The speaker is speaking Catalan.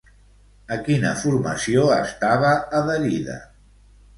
A quina formació estava adherida?